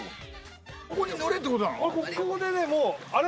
ここに乗れってことなの？